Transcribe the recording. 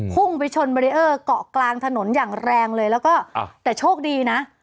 พุ่งไปชนเบรีเออร์เกาะกลางถนนอย่างแรงเลยแล้วก็แต่โชคดีนะ